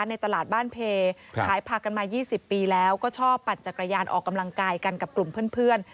ในตลาดบ้านเพขายผักกันมา๒๐ปีแล้วก็ชอบปั่นจักรยานออกกำลังกายกันกับกลุ่มเพื่อน